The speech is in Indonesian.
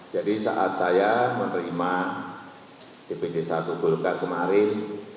jadi saat saya menerima dpd satu golkar kemarin